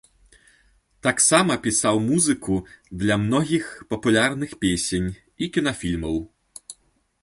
Таксама пісаў музыку для многіх папулярных песень і кінафільмаў.